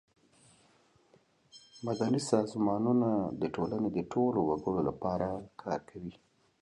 مدني سازمانونه د ټولنې د ټولو وګړو لپاره کار کوي.